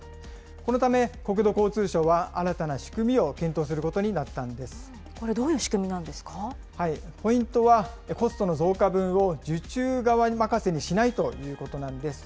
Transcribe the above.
このため、国土交通省は新たな仕組みを検討することになったんでこれ、どういう仕組みなんでポイントは、コストの増加分を受注側任せにしないということなんです。